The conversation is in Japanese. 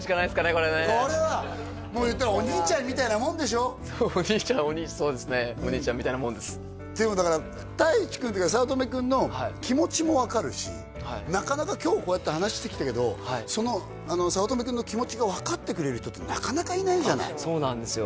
これねこれはもういったらそうお兄ちゃんそうですねお兄ちゃんみたいなもんですだから太一君というか早乙女君の気持ちも分かるしなかなか今日こうやって話してきたけどその早乙女君の気持ちが分かってくれる人ってなかなかいないじゃないそうなんですよ